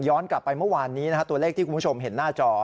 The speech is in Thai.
ย้อนกลับไปเมื่อวานนี้ตัวเลขที่คุณผู้ชมเห็นหน้าจอ